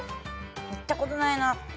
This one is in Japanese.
行ったことないな。